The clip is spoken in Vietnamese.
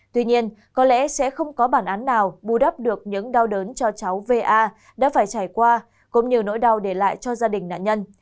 tuy nhiên có lẽ sẽ không có bản án nào bù đắp được những đau đớn cho cháu va đã phải trải qua cũng như nỗi đau để lại cho gia đình nạn nhân